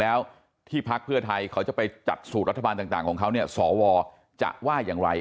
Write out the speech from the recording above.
แล้วที่พักเพื่อไทยเขาจะไปจัดสูตรรัฐบาลต่างของเขาเนี่ยสวจะว่าอย่างไร